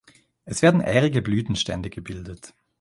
Es werden ährige Blütenstände gebildet.